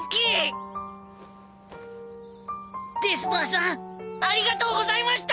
デスパーさんありがとうございました！